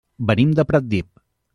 Venim de Pratdip.